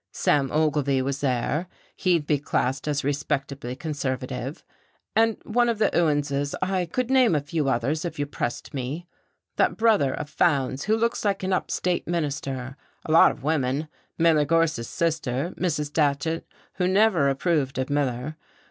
Sam Ogilvy was there, he'd be classed as respectably conservative. And one of the Ewanses. I could name a few others, if you pressed me. That brother of Fowndes who looks like an up state minister. A lot of women Miller Gorse's sister, Mrs. Datchet, who never approved of Miller.